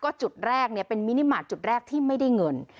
จุดแรกเป็นมินิมาตรจุดแรกที่ไม่ได้เงิน